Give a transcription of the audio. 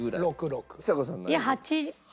ちさ子さん何位？